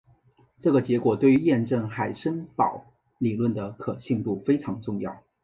这个结果对于验证海森堡理论的可信度非常重要。